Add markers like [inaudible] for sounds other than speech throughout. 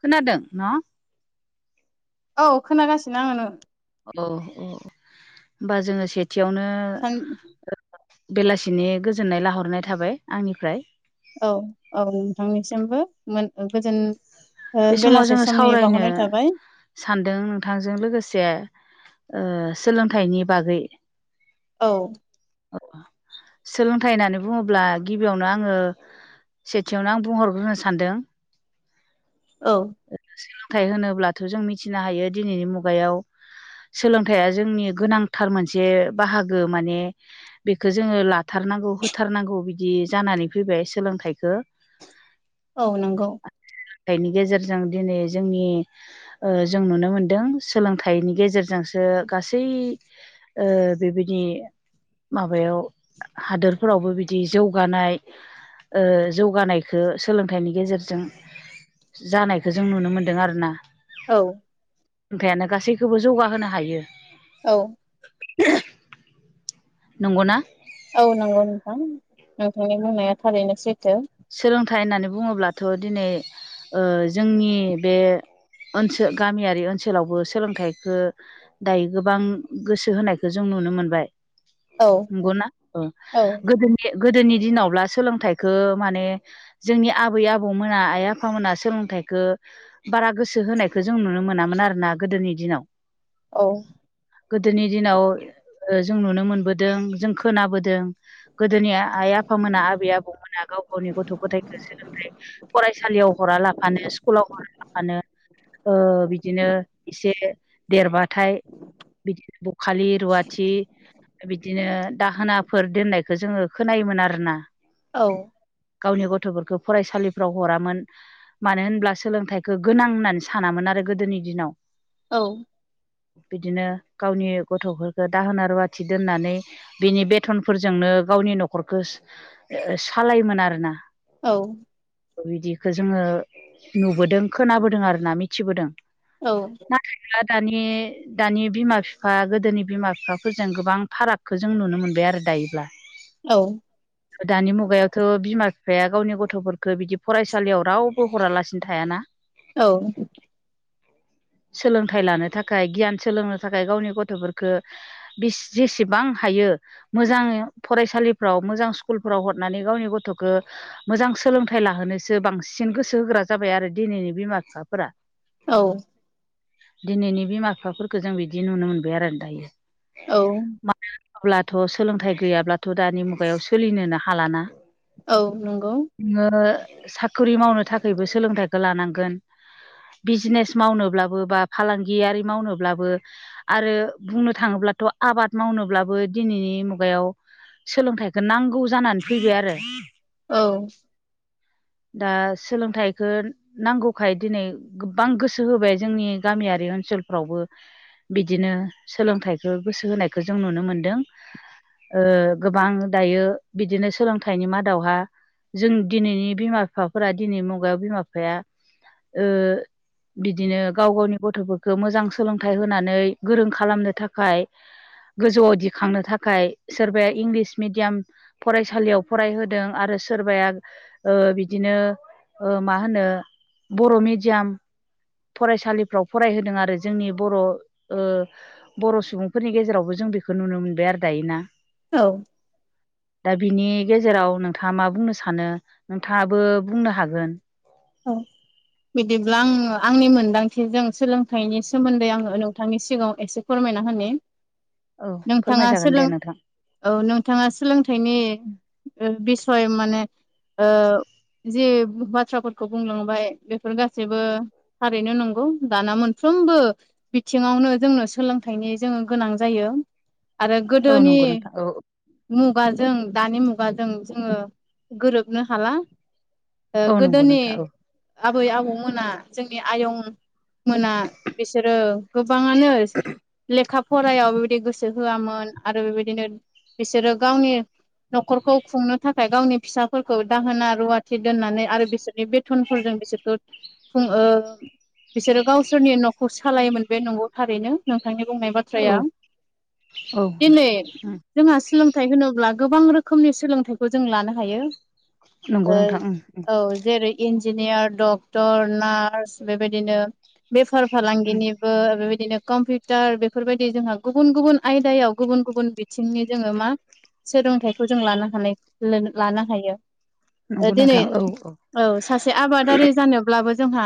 खोनादों न'? औ खोनागासिनो आङो नों औ औ होमबा जोङो सेथियावनो सान बेलासिनि गोजोननाय लाहरनाय थाबाय आंनिफ्राय। औ औ नोंथांनिसिमबो मोन गोजोन ओ बे समाव बेलासे जोङो समनि सावरायनो बावहरनाय थाबाय। सानदों नोंथांजों लोगोसे सोलोंथाइनि बागै औ सोलोंथाइ होननानै बुङोब्ला गिबियावनो आङो सेथियावनो आं बुंहरग्रोनो सानदों औ सोलोंथाइ होनोब्लाथ' जों मिथिनो हायो दिनैनि मुगायाव सोलोंथाइया जोंनि गोनांथार मोनसे बाहागो माने बेखौ जोङो ला होथारनांगौ होथारनांगौ बिदि जानानै फैबाय सोलोंथाइखौ। औ नंगौ थाइनि गेजेरजों दिनै जोंनि ओ जों नुनो मोनदों सोलोंथाइनि गेजेरजोंसो गासै ओ बेबायदि माबायाव हादोरफोरावबो बिदि जौगानाय ओ जौगानायखौ सोलोंथाइनि गेजेरजों जानायखौ जों नुनो मोन्दों आरो ना। औ लोंयानो गासैखौबो जौगाहोनो हायो। औ नंगौना? औ नंगौ नोंथां नोंथांनि बुंनाया थारैनो सैथो। सोलोंथाइ होननानै बुङोब्लाथ' दिनै जोंनि बे ओनसो गामियारि ओनसोलावबो सोलोंथाइखो दायो गोबां गोसो होनायखौ जों नुनो मोनबाय। औ नंगौना ओ औ गोदोनि गोदोनि दिनावब्ला सोलोंथाइखो माने जोंनि आबै आबौमोना आइ आफामोना सोलोंथाइखो बारा गोसो होनायखौ जों नुनो मोनामोन आरोोना गोदोनि दिनाव औ गोदोनि दिनाव जों नुनो मोनबोदों जों खोनाबोदों गोदोनि आइ आफामोना आबै आबौमोन गावनि गथ' गथायखौसो ओफ्राय फरायसालियाव हरा लाफानो स्कुलाव हरा लाफानो ओ बिदिनो एसे देरबाथाय बिदि बखालि रुवाथि बिदिनो दाहोनाफोर दोननायखो जोङो खोनायोमोन आरोना। औ गावनि गथ'फोरखो फरायसालिफ्राव हरामोन। मानो होनब्ला सोलोंथाइखो गोनां होननानै सानामोन आरो गोदोनि दिनाव। औ बिदिनो गावनि गथ'फोरखो दाहोना रुवाथि दोननानै बिनि बेथनफोरजोंनो गावनि न'खरखो ओ सालायोमोन आरोना। औ बिदिखो जोङो नुबोदों खोनाबोदों आरोना मिथिबोदों। औ नाथायब्ला दानि दानि बिमा फिफा गोदोनि बिमा बिफाफोरजों गोबां फारागखो जों नुनो मोनबाय आरो दायोब्ला। औ दानि मुगायावथ' बिमा बिफाया गावनि गथ'फोरखो बिदि फरायसालियाव रावबो हरालासिनो थायाना। औ सोलोंथाइ लानो थाखाय गियान सोलोंनो थाखाय गावनि गथ'फोरखो बेस जेसेबां हायो मोजांयै फरायसालिफ्राव मोजां स्कुलफ्राव हरनानै गावनि गथ'खो मोजां सोलोंथाइ लाहोनोसो बांसिन गोसो होग्रा जाबाय आरो दिनैनि बिमा बिफाफोरा। औ दिनैनि बिमा बिफाफोरखो जों बिदि नुनो मोनबाय आरो दायो। औ मानो होनोब्लाथ' सोलोंथाइ गैयाब्लाथ' दानि मुगायाव सोलिनोनो हालाना। औ नंगौ नोङो साख्रि मावनो थाखायबो सोलोंथाइखौ लानांगोन बिजनेस मावनोब्लाबो बा फालांगियारि मावनोब्लाबो आरो बुंनो थाङोब्लाथ' आबाद मावनोब्लाबो दिनैनि मुगायाव सोलोंथाइखो नांगौ जानानै फैबाय आरो। औ दा सोलोंथाइखो नांगौखाय दिनै गोबां गोसो होबाय जोंनि गामियारि ओनसोलफ्रावबो। बिदिनो सोलोंथाइखो गोसो होनायखौ जों नुनो मोनदों। ओ, गोबां दायो बिदिनो सोलोंथाइनि मा दावहा जों दिनैनि बिमा बिफाफोरा दिनै मुगायाव बिमा बिफाया ओ बिदिनो गाव गावनि गथ'फोरखो मोजां सोलोंथाइ होनानै गोरों खालामनो थाखाय गोजौआव दिखांनो थाखाय सोरबाया इंलिस मिडियाम फरायसालियाव फरायहो दों आरो सोरबाया ओ बिदिनो ओ मा होनो बर' मिडियाम फरायसालिफ्राव फरायहोदों आरो जोंनि बर' ओ बर' सुबुंफोरनि गेजेरावबो जों बेखौ नुनो मोनबाय आरो दायोना। औ दा बिनि गेजेराव नोंथाङा मा बुंनो सानो नोंथाङाबो बुंनो हागोन। औ बिदिब्ला आङो आंनि मोनदांथिजों सोलोंथाइनि सोमोन्दै आङो नोंथांनि सिगाङाव एसे फोरमायना होनो औ नोंथाङा फोरमायजागोन दे सोलों नोंथां औ नोंथाङा सोलोंथाइनि ओ बिसय माने ओ जे बाथ्राफोर खौ बुंलांबाय बेफोर गासैबो थारैनो नंगौ। दाना मोनफ्रोमबो बिथिङावनो जोंनो सोलोंथाइनि जोङो गोनां जायो। आरो औ गोदोनि नंगौ नोंथां औ मुगाजों दानि मुगाजों जोङो गोरोबनो हाला ओ औ नंगौ गोदोनि नोंथां आबै आबौमोना जोंनि आयं मोना बिसोरो गोबाङानो लेखा फरायाव बेबायदि गोसो होआमोन आरो बेबायदिनो बिसोरो गावनि न'खरखौ खुंनो थाखाय गावनि फिसाफोरखौ दाहोना रुवाथि दोननानै आरो बिसोरनि बे थनफोरजों बिसोरखौ खु ओ बिसोरो गावसोरनि न'खौ सालायोमोन बे नंगौ थारैनो नोंथांनि बुंनाय बाथ्राया औ औ औ दिनै जोंहा सोलोंथाइ होनोब्ला गोबां रोखोमनि सोलोंथाइखौ जों लानो हायो नंगौ ओ नोंथां उम उम औ जेरै इन्जिनियार डक्टर नार्स बेबायदिनो बेफार फालांगिनि ओ बेबायदिनो कम्पिउटार बेफोरबायदि जोंहा गुबुन गुबुन आयदायाव गुबुन गुबुन बिथिंनि जोङो मा सोलोंथाइखौ जों लानो हानाय लानो हायो। नंगौ दिनै नोंथां औ औ सासे आबादारि जानोब्लाबो जोंहा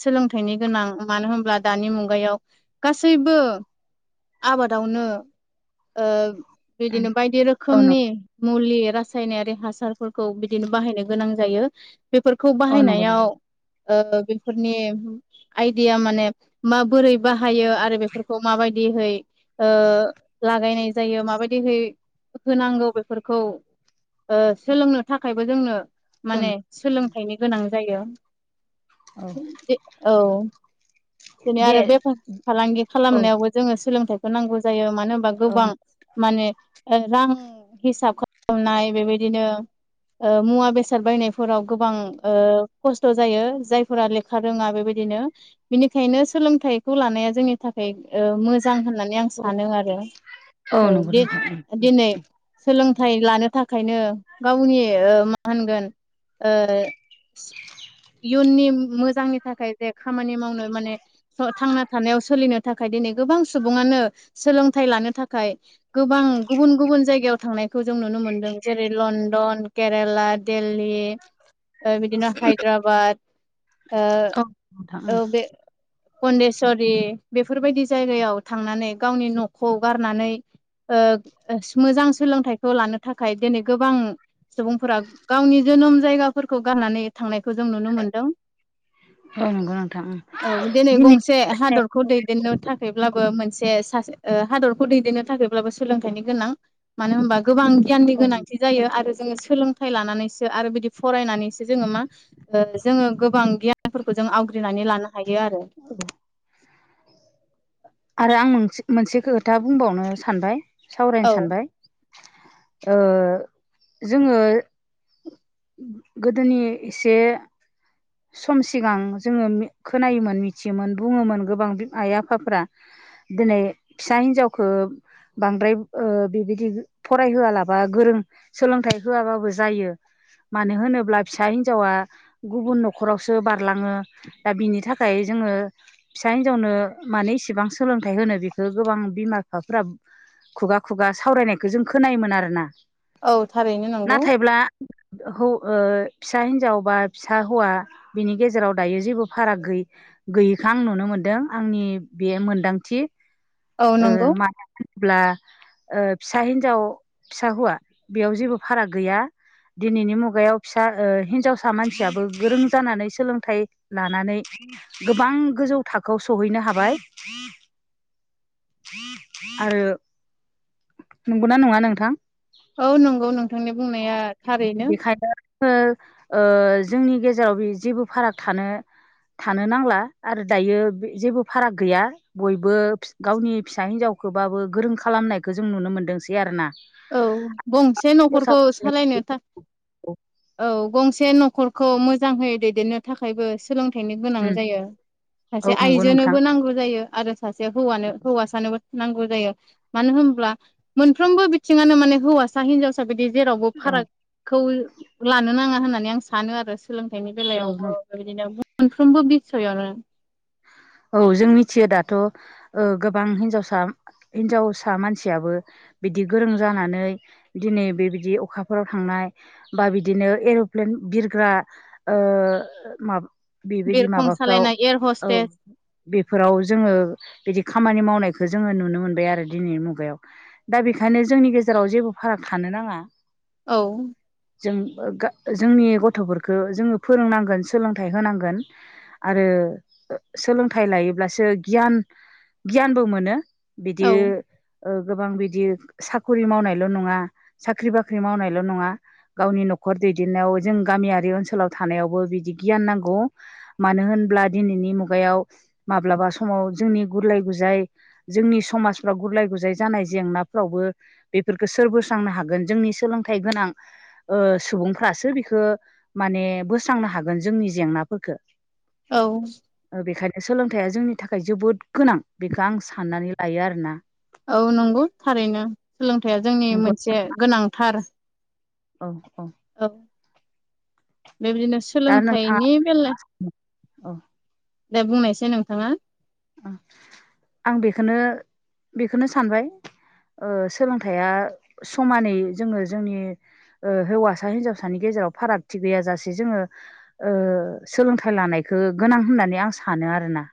सोलोंथाइनि गोनां मानो होनब्ला दानि मुगायाव गासैबो आबादावनो ओ उम बिदिनो बायदि औ रोखोमनि नंगौ मुलि रासायनारि हासारफोरखौ बिदिनो बाहायनो गोनां जायो बेफोरखौ औ नंगौ बाहायनायाव नोंथां ओ बेफोरनि आइडिया माने माबोरै बाहायो आरो बेफोरखौ माबायदिहै ओ लागायनाय जायो माबायदिहै होनांगौ बेफोरखौ ओ सोलोंनो थाखायबो जोंनो औ माने सोलोंथाइनि गोनां जायो। औ औ दिनै दे आरो बेफार फालांगि औ खालामनायावबो जोङो सोलोंथाइखौ नांगौ जायो मानो होनबा औ गोबां माने रां हिसाब खालामनाय बेबायदिनो मुवा बेसाद बायनायफोराव गोबां खस्थ' जायो जायफोरा लेखा रोङा बेबायदिनो बिनि खायनो सोलोंथाइखौ लानाया जोंनि थाखाय ओ मोजां होननानै आं सानो आरो औ नंगौ दे नोंथां दिनै सोलोंथाइ लानो थाखायनो गावनि ओ मा होनगोन इयुननि मोजांनि थाखाय जे खामानि मावनो माने थांना थानायाव सोलिनो थाखाय दिनै गोबां सुबुङानो सोलोंथाइ लानो थाखाय गोबां गुबुन गुबुन जायगायाव थांनाय खौ जों नुनो मोन्दों जेरै लण्डन केरेला दिल्ली ओ बिदिनो हायद्राबाद ओ उम औ नोंथां उम औ बे फन्डेस्वरि बेफोरबायदि जायगायाव थांनानै गावनि न'खौ गारनानै ओ मोजां सोलोंथाइखौ लानो थाखाय दिनै गोबां सुबुंफोरा गावनि जोनोम जायगाफोरखौ गारनानै थांनायखौ जों नुनो मोनदों औ नंगौ नोंथां उम औ दिनै गं से हादरखौ दैदेननो थाखायब्लाबो मोनसे सासे ओ हादरखौ दैदेननो थाखायब्लाबो सोलोंथाइनि गोनां मानो होनबा गोबां गियाननि औ गोनांथि जायो आरो जोङो सोलों थाय लानानैसो आरो बिदि फरायनानैसो जोङो मा ओ जोङो गोबां गियानफोरखौ जों आवग्रिनानै लानो हायो आरो [inaudible] आरो आं मोनसे खोथा बुंबावनो सानबाय औ सावरायनो सानबाय ओ जोङो गोदोनि एसे सम सिगां जोङो मि खोनायोमोन मिथियोमोन बुङोमोन गोबां आइ आफाफ्रा दिनै फिसा हिनजावखो बांद्राय ओ बिब्दि बि फरायहोआलाबा गोरों सोलोंथाइ होआबाबो जायो मानो होनोब्ला फिसा हिनजावा गुबुन नख खरावसो बारलाङो दा बिनि थाखाय जोङो फिसा हिनजावनो माने इसेबां सोलोंथाइ होनो बेखौ गोबां बिमा बिफाफोरा खुगा खुगा सावरायनायखौ जों खोनायोमोन आरोना। औ थारैनो नंगौ नाथायब्ला हौ ओ फिसा हिनजाव बा फिसा हौवा बिनि गेजेराव दायो जेबो फाराग गैयै गैयिखो आं नुनो मोनदों आंनि बे मोनदांथि। औ नंगौ मानो होनोब्ला ओ फिसा हिन्जाव फिसा हौवा बेयाव जेबो फाराग गैया। दिनैनि मुगायाव फिसा ओ हिनजावसा मानसियाबो गोरों जानानै सोलोंथाइ लानानै गोबां गोजौ थाखोआव सहैनो हाबाय। [inaudible] आरो नंगौना नङा नोंथां? औ नंगौ नोंथांनि बुंनाया थारैनो बेखायनो जोङो ओ जोंनि गेजेराव बे जेबो फाराग थानो थानो नांला आरो दायो जेबो फाराग गैया। बयबो गावनि फिसा हिनजावखौबाबो गोरों खालामनायखौ जों नुनो मोनदोंसै आरोना। औ गंसे न'खरखौ हिनजावसाफोरनो सालायनो था औ गंसे न'खर खौ मोजांहै दैदेननो थाखायबो सोलोंथाइनो गोनां जायो औ सासे नंगौ नोंथां आइजोनोबो नांगौ जायो आरो सासे हौवानो हौवासानोबो नांगौ जायो मानो होनब्ला मोनफ्रोमबो बि थिङानो माने हौवासा हिन्जावसा बेबादि जेरावबो औ फाराग खौ लानो नाङा होननानै आं सानो आरो सोलोंथाइनि बेलायावबो। नंगौ बिदिनो मोनफ्रोमबो बिसयआवनो औ जोंनिथि दाथ' ओ गोबां हिनजावसा हिनजावसा मानसियाबो बिदि गोरों जानानै दिनै बेबायदि अखाफोराव थांनाय बा बिदिनो एर'प्लेन बिरग्रा ओ माबा बेबायदि बिरखं माबाफ्राव सालायनाय एयार औ। हस्टेस बेफोराव जोङो बिदि खामानि मावनायखौ जोङो नुनो मोनबाय आरो दिनैनि मुगायाव। दा बेखायनो जोंनि गेजेराव जेबो फाराग थानो नाङा। औ। जों जोंनि गथ'फोरखौ जोङो फोरोंनांगोन सोलोंथाइ होनांगोन। आरो सोलोंथाइ लायोब्लासो गियान गियानबो मोनो बिदि औ ओ गोबां बिदि साख'रि मावनायल' नङा साख्रि बाख्रि मावनायल' नङा गावनि न'खर दैदेननायाव जों गामियारि ओनसोलाव थानायावबो बिदि गियान नांगौ। मानो होनब्ला दिनैनि मुगायाव माब्लाबा समाव जोंनि गुरलाय गुजाय जोंनि समाजफ्राव गुरलाय गुजाय जानाय जेंनाफ्रावबो बेफोरखौ सोर बोस्रांनो हागोन जोंनि सोलोंथाइ गोनां ओ सुबुंफ्रासो बिखौ माने बोस्रांनो हागोन जोंनि जेंनाफोरफोरखो। औ। बेखायनो सोलोंथाइया जोंनि थाखाय जोबोद गोनां बेखौ आं साननानै लायो आरोना। औ नंगौ थारैनो सोलोंथाइया जोंनि नंगौ मोनसे गोनांथार अ अ। औ बेबायदिनो दा नोंथाङा सोलोंथाइनि बेला औ दा बुंनायसाय नोंथाङा आं बेखौनो बेखौनो सानबाय। ओ सोलोंथाइया समानै जोङो जोंनि हौवासा हिनजावसानि गेजेराव फारागथि गैयाजासे जोङो ओ सोलोंथाइ लानायखौ गोनां होननानै आं सानो आरोना।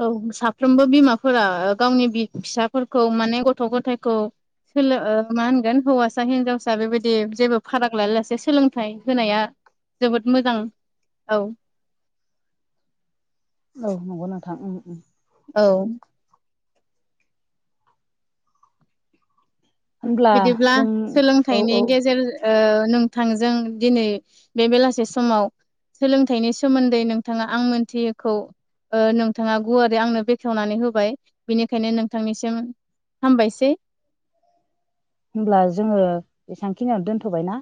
औ साफ्रोमबो बिमाफोरा गावनि फिसाफोरखौ माने गथ' गथायखौ सोलो मा होनगोन हौवासा हिनजावसा बेबायदि जेबो फाराग लायालासे सोलोंथाइ होनाया जोबोद मोजां औ। औ नंगौ नोंथां उम उम। औ। होनब्ला बिदिब्ला जों औ सोलोंथाइनि औ गेजेर नोंथांजों दिनै बे बेलासे समाव सोलोंथाइनि सोमोन्दै नोंथाङा आं मोनथियैखौ नोंथाङा गुवारै आंनो बेखेवनानै होबाय बेनिखायनो नोंथांनिसिम हामबायसेै। होमब्ला जोङो एसांखिनियाव दोनथ'बायना।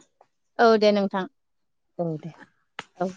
औ दे नोंथां। औ दे औ